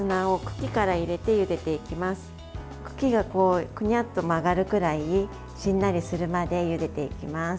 茎が、くにゃっと曲がるくらいしんなりするまでゆでていきます。